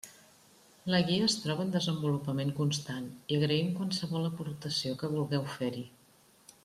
La guia es troba en desenvolupament constant i agraïm qualsevol aportació que vulgueu fer-hi.